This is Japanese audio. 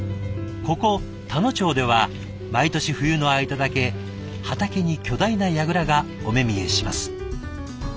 ここ田野町では毎年冬の間だけ畑に巨大なやぐらがお目見えします。